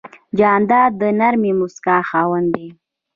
جانداد د نرمې موسکا خاوند دی.